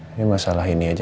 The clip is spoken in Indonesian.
ini masalah ini aja